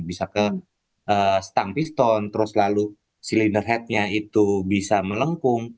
bisa ke stang pistone terus lalu silinder headnya itu bisa melengkung